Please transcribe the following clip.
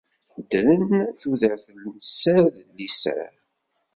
Ddren tudert n sser d liser.